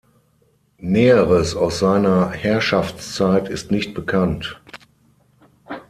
Näheres aus seiner Herrschaftszeit ist nicht bekannt.